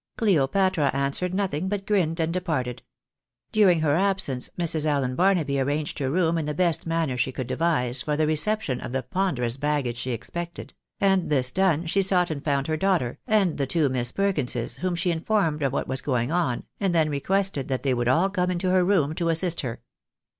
Cleopatra answered nothing, but grinned and departed. During her absence, Mrs. Allen Barnaby arranged her room in the best manner she could devise for the reception of the ponderous baggage she expected ; and this done, she sought and found her daughter, and the two Miss Perkinses, whom she informed of what was going on, and then requested that they would all come into her room to assist her.